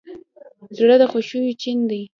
زړه د خوښیو چین دی.